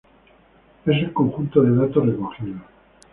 Es el conjunto de datos recogidos.